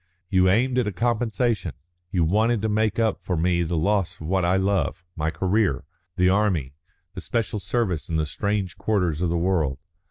You aimed at a compensation; you wanted to make up to me for the loss of what I love my career, the army, the special service in the strange quarters of the world.